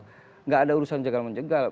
tidak ada urusan jegal menjegal